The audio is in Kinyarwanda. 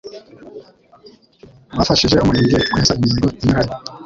bafashije umurenge kwesa imihigo inyuranye